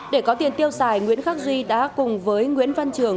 để có tiền tiêu xài nguyễn khắc duy đã cùng với nguyễn văn trường